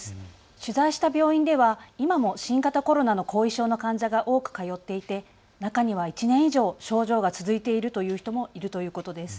取材した病院では今も新型コロナの後遺症の患者が多く通っていて中には１年以上、症状が続いているという人もいるということです。